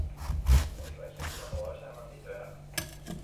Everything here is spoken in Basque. Hori bai, sekulako babesa eman dit berak.